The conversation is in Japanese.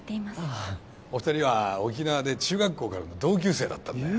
ああお二人は沖縄で中学校からの同級生だったんだよ